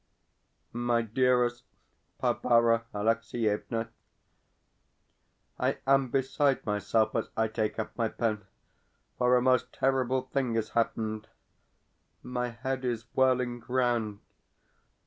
MY DEAREST BARBARA ALEXIEVNA, I am beside myself as I take up my pen, for a most terrible thing has happened. My head is whirling round.